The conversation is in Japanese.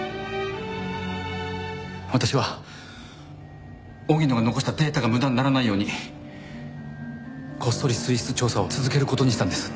私は荻野が残したデータが無駄にならないようにこっそり水質調査を続ける事にしたんです。